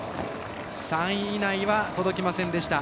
３位以内は届きませんでした。